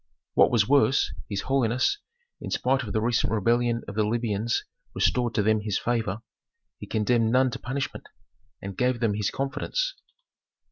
What was worse, his holiness, in spite of the recent rebellion of the Libyans restored to them his favor; he condemned none to punishment, and gave them his confidence.